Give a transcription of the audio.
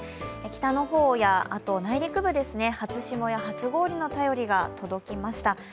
北の方や内陸部、初霜や初氷の便りが届きました。